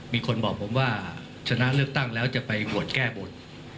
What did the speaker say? มีคนบอกผมว่าชนะเลือกตั้งแล้วจะไปโหวตแก้บน